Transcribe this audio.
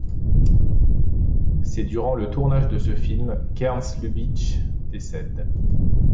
C'est durant le tournage de ce film qu'Ernst Lubitsch décède.